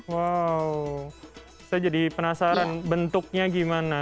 wow saya jadi penasaran bentuknya gimana